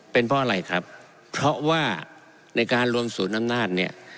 เป็นเพราะอะไรครับเพราะว่าในการรวมศูนย์อำนาจเนี่ย